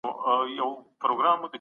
څوک غواړي محکمه په بشپړ ډول کنټرول کړي؟